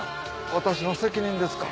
私の責任ですか？